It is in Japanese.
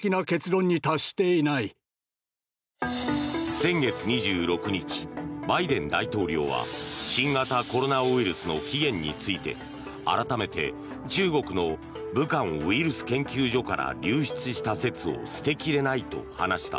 先月２６日、バイデン大統領は新型コロナウイルスの起源について改めて中国の武漢ウイルス研究所から流出した説を捨て切れないと話した。